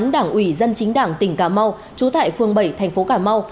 kế toán đảng ủy dân chính đảng tỉnh cà mau trú tại phường bảy thành phố cà mau